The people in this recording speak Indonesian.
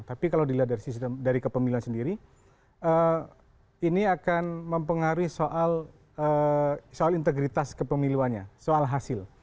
tapi kalau dilihat dari kepemiluan sendiri ini akan mempengaruhi soal integritas kepemiluannya soal hasil